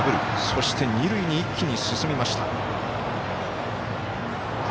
そして、二塁に一気に進みました。